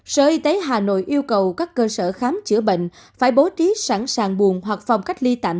sở y tế hà nội yêu cầu các cơ sở khám chữa bệnh phải bố trí sẵn sàng buồn hoặc phòng cách ly tạm